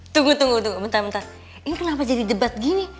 tunggu tunggu tunggu bentar bentar ini kenapa jadi debat gini